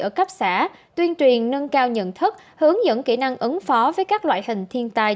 ở cấp xã tuyên truyền nâng cao nhận thức hướng dẫn kỹ năng ứng phó với các loại hình thiên tai